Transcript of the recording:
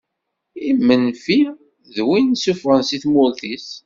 Imenfi d win sufɣen si tmurt-is.